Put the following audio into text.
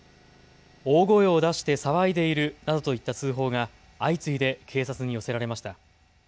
大声を出して騒いでいるなどといった通報が相次いで警察に寄せられました。